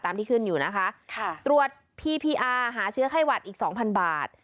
ที่ขึ้นอยู่นะคะค่ะตรวจพีพีอาร์หาเชื้อไข้หวัดอีกสองพันบาท